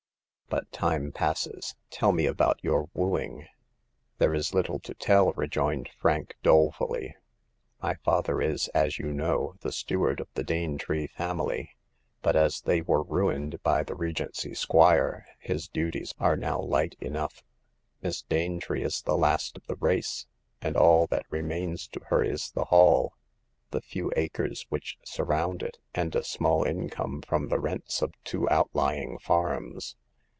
" But time passes ; tell me about your wooing." There is little' to tell," rejoined Frank, dole fully. " My father is, as you know, the steward of the Danetree family ; but as they were ruined by the Regency squire, his duties are now light enough. Miss Danetree is the last of the race, and all that remains to her is the Hall, the few acres which surround it, and a small income from the rents of two outlying farms.